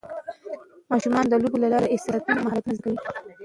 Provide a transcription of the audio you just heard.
ماشومان د لوبو له لارې احساساتي مهارتونه زده کوي.